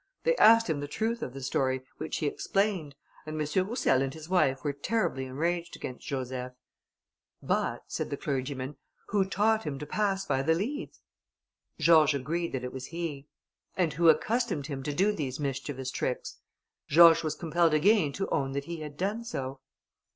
They asked him the truth of the story, which he explained, and M. Roussel and his wife were terribly enraged against Joseph. "But," said the clergyman, "who taught him to pass by the leads?" George agreed that it was he. "And who accustomed him to do these mischievous tricks?" George was compelled again to own that he had done so.